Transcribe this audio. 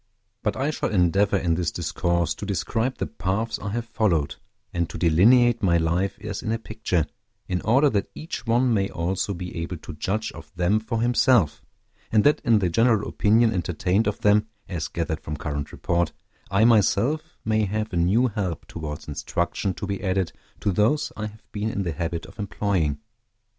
But I shall endeavor in this discourse to describe the paths I have followed, and to delineate my life as in a picture, in order that each one may also be able to judge of them for himself, and that in the general opinion entertained of them, as gathered from current report, I myself may have a new help towards instruction to be added to those I have been in the habit of employing.